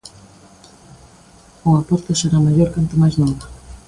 O aporte será maior canto máis nova.